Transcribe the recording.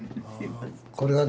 これはね